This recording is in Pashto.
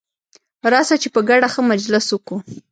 راسه چي په ګډه ښه مجلس وکو.